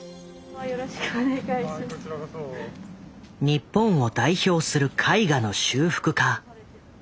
日本を代表する絵画の修復